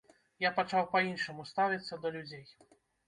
Я пачаў па-іншаму ставіцца да людзей.